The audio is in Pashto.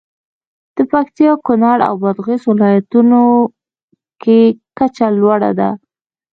د پکتیا، کونړ او بادغیس ولایتونو کې کچه لوړه ده.